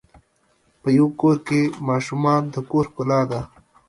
په یوه کور کې ماشومان د کور ښکلا ده.